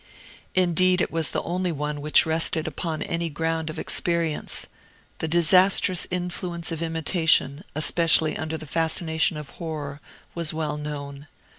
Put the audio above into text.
Indeed it was the only one which rested upon any ground of experience. The disastrous influence of imitation, especially under the fascination of horror, was well known.